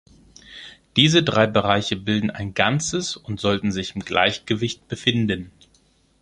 Diese drei Bereiche bilden ein Ganzes und sollten sich im Gleichgewicht befinden».